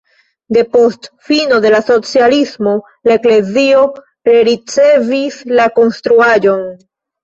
Depost fino de la socialismo la eklezio rericevis la konstruaĵon.